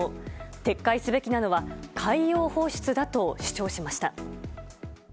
撤回すべきなのは海洋放出だと主張しました。